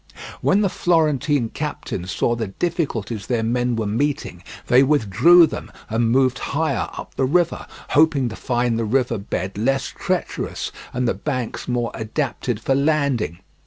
When the Florentine captains saw the difficulties their men were meeting, they withdrew them and moved higher up the river, hoping to find the river bed less treacherous and the banks more adapted for landing.